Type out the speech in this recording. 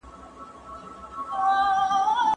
ته باید شاګرد ته ښه کتابونه ور وښیې.